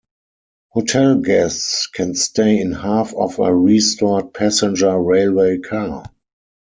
Hotel guests can stay in half of a restored passenger railway car.